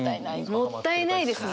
「もったいない」ですね。